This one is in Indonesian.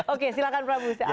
oke silahkan prabu